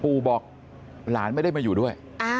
ปู่บอกหลานไม่ได้มาอยู่ด้วย